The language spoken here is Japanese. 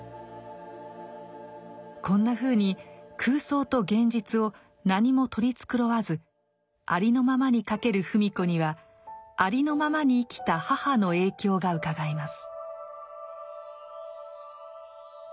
こんなふうに空想と現実を何も取り繕わずありのままに書ける芙美子にはありのままに生きた母の影響がうかがえます。